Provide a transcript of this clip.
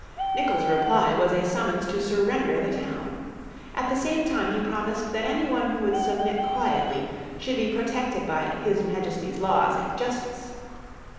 Nicolls' reply was a summons to surrender the town. At the same time he promised that any one who would submit quietly should be protected by "his Majesty's laws and justice."